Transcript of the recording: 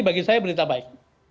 bagi saya berita baik